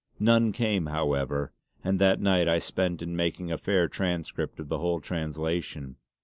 None came, however, and that night I spent in making a fair transcript of the whole translation.